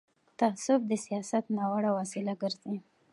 تعصب د سیاست ناوړه وسیله ګرځي